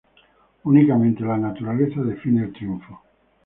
Únicamente la naturaleza define el triunfo.